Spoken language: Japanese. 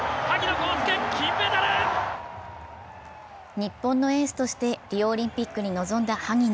日本のエースとしてリオオリンピックに臨んだ萩野。